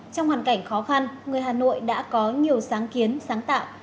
trong hoàn cảnh khó khăn người hà nội đã có nhiều sáng kiến sáng tạo